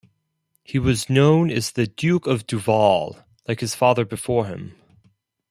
He was known as "The Duke of Duval," like his father before him.